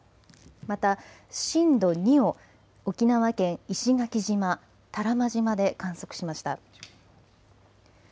また震度２を沖縄県石垣島、多良間島で観測しました。